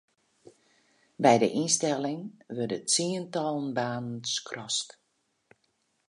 By de ynstelling wurde tsientallen banen skrast.